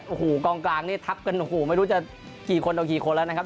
โอ้โหกองกลางทับกันไม่รู้จะกี่คนเอากี่คนแล้วนะครับ